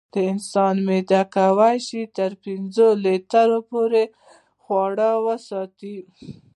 د انسان معده کولی شي تر پنځو لیټرو پورې خواړه وساتي.